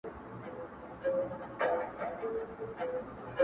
هغې ويله ځمه د سنگسار مخه يې نيسم-